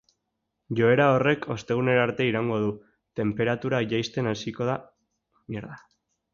Joera horrek ostegunera arte iraungo du, tenperatura jaisten hasiko baita orduan.